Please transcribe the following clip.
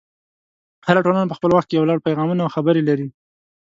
هره ټولنه په خپل وخت کې یو لړ پیغامونه او خبرې لري.